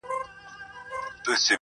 په هغه ګړې پر څټ د غوايی سپور سو -